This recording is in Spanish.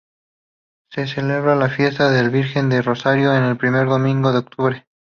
Se celebra la fiesta de la Virgen del Rosario el primer domingo de octubre.